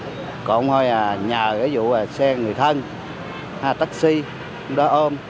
còn không thôi là nhờ ví dụ xe người thân taxi đôi ôm